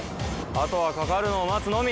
あとは掛かるのを待つのみ。